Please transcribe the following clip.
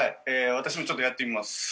私もちょっとやってみます。